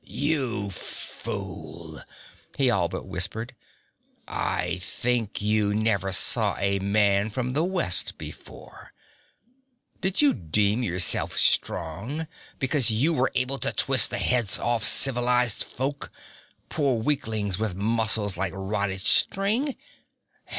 'You fool!' he all but whispered. 'I think you never saw a man from the West before. Did you deem yourself strong, because you were able to twist the heads off civilized folk, poor weaklings with muscles like rotten string?